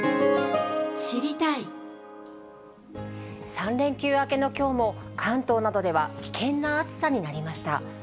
３連休明けのきょうも、関東などでは危険な暑さになりました。